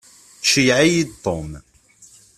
Ceyyeɛ-iyi-d Tom.